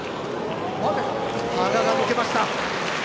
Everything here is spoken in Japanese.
羽賀が抜けました。